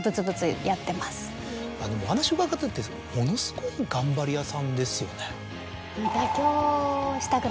お話伺っててものすごい頑張り屋さんですよね。